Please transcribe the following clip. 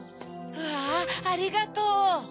わぁありがとう！